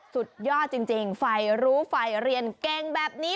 สุดยอดจริงไฟรู้ไฟเรียนเก่งแบบนี้